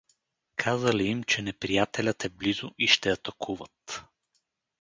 Казали им, че неприятелят е близо и ще атакуват.